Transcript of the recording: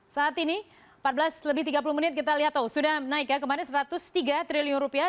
saat ini empat belas lebih tiga puluh menit kita lihat tuh sudah naik ya kemarin satu ratus tiga triliun rupiah